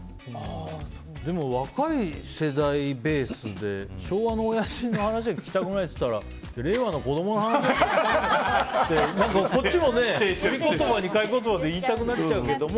でも、若い世代ベースで昭和のおやじの話は聞きたくないって言ったら令和の子供の話も。何かこっちも売り言葉に買い言葉で言いたくなっちゃうけど。